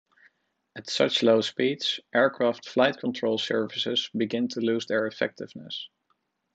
At such low speeds, aircraft flight control surfaces begin to lose their effectiveness.